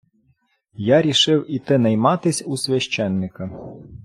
Я рішив іти найматись у священика.